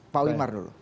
pak wimar dulu